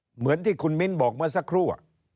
เหมือนที่คุณมิ้นบอกเมื่อสักครู่